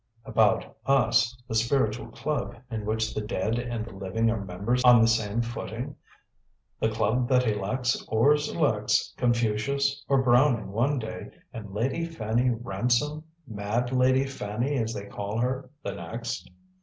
"About 'Us,' the spiritual club, in which the dead and the living are members on the same footing? The club that elects, or selects, Confucius or Browning one day, and Lady Fanny Ransom mad Lady Fanny as they call her the next?"